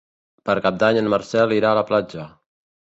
Per Cap d'Any en Marcel irà a la platja.